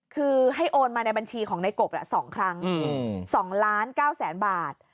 คือให้โอนมาในบัญชีของในกบ๒ครั้ง๒ล้าน๙แสนบาท